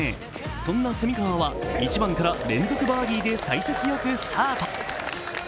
そんな蝉川は、１番から連続バーディーでさい先よくスタート。